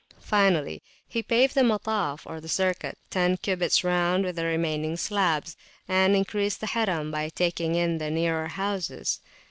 Finally, he paved the Mataf, or circuit, ten cubits round with the remaining slabs, and increased the Harim by taking in the nearer houses.